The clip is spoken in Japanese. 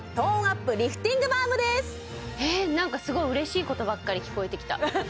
なんかすごい嬉しいことばっかり聞こえてきた